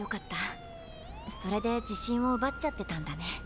それで自信を奪っちゃってたんだね。